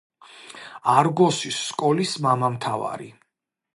არგოსის სკოლის მამამთავარი.